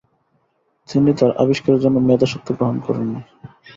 তিনি তার আবিষ্কারের জন্য মেধাস্বত্ত্ব গ্রহণ করেননি।